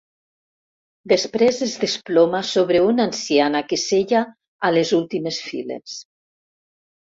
Després es desploma sobre una anciana que seia a les últimes files.